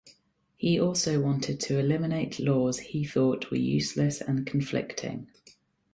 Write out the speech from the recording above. He also wanted to eliminate laws he thought were useless and conflicting.